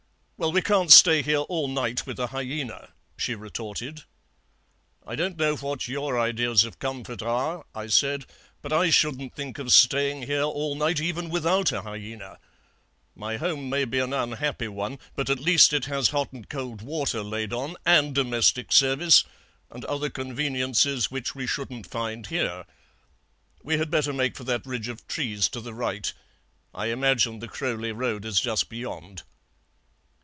"'Well, we can't stay here all night with a hyaena,' she retorted. "'I don't know what your ideas of comfort are,' I said; 'but I shouldn't think of staying here all night even without a hyaena. My home may be an unhappy one, but at least it has hot and cold water laid on, and domestic service, and other conveniences which we shouldn't find here. We had better make for that ridge of trees to the right; I imagine the Crowley road is just beyond.'